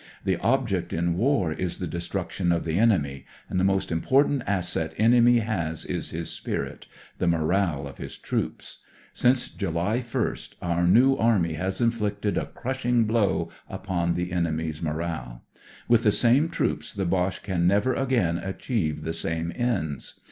The object in war is the destruction of the enemy, and the most important asset any enemy has is his spirit— the moral of his troops. Since July 1st our New Army has inflicted a crushing blow upon the enemy's moral. With the same troops the Boche can never again achieve the same ends.